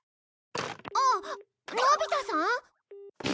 あっのび太さん？